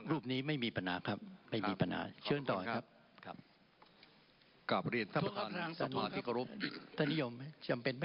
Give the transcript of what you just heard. รูปนี้ไม่มีปัญหาครับ